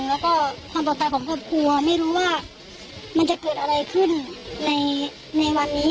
แล้วก็ความปลอดภัยของครอบครัวไม่รู้ว่ามันจะเกิดอะไรขึ้นในวัดนี้